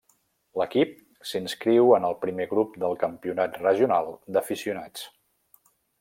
L'equip s'inscriu en el Primer Grup del Campionat Regional d'Aficionats.